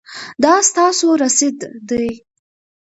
دا ستاسو رسید دی